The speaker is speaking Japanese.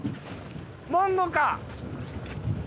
モンゴウか！